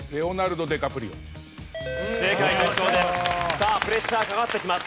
さあプレッシャーかかってきます。